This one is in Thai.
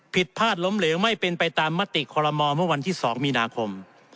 ผิดพลาดล้มเหลวไม่เป็นไปตามมติคอลโมเมื่อวันที่๒มีนาคม